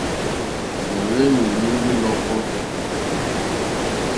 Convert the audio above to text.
Nà hwenì lùwindi lɔ̀kɔ.